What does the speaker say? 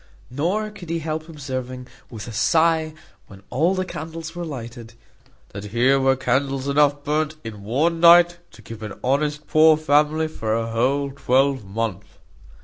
Nor could he help observing, with a sigh, when all the candles were lighted, "That here were candles enough burnt in one night, to keep an honest poor family for a whole twelvemonth."